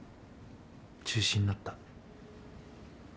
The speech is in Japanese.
中止になった。